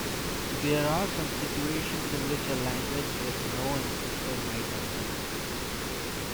There are some situations in which a language with no ancestor might arise.